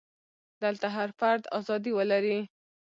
دلته هر فرد ازادي ولري.